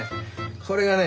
これがね